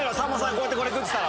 こうやってこれ食ってたら。